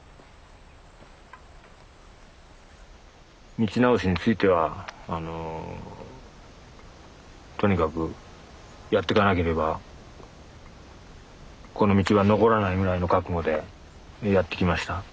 道直しについてはとにかくやってかなければこの道は残らないぐらいの覚悟でやってきました。